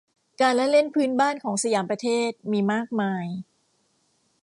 การละเล่นพื้นบ้านของสยามประเทศ มีมากมาย